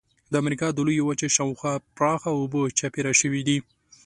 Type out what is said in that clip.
د امریکا د لویې وچې شاو خوا پراخه اوبه چاپېره شوې دي.